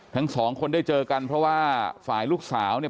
ทั้งสองคนได้เจอกันเพราะว่าฝ่ายลูกสาวเนี่ย